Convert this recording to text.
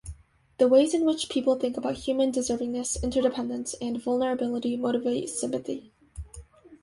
The ways in which people think about human deservingness, interdependence, and vulnerability motivate sympathy.